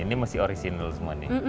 ini masih original semua nih